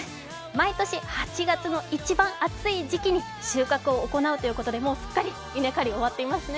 毎年、８月の一番暑い時期に収穫を行うということでもうすっかり稲刈り終わっていますね。